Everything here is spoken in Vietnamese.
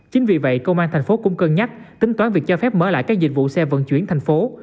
chính vì vậy công an thành phố cũng cân nhắc tính toán việc cho phép mở lại các dịch vụ xe vận chuyển thành phố